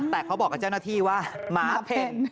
แต่เขาบอกกับเจ้าหน้าที่ว่าหมาเพ่น